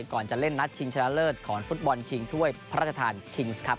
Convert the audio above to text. ก่อนจะเล่นนัดชิงชนะเลิศของฟุตบอลชิงถ้วยพระราชทานคิงส์ครับ